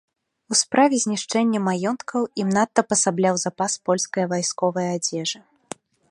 У справе знішчэння маёнткаў ім надта пасабляў запас польскае вайсковае адзежы.